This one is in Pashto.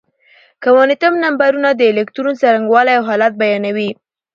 کوانتم نمبرونه د الکترون څرنګوالی او حالت بيانوي.